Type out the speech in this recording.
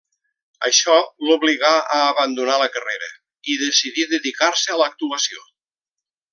Això l'obligà a abandonar la carrera i decidí dedicar-se a l'actuació.